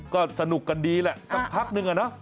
ก็สนุกกันดีแหละสักพักนึงอะเนาะ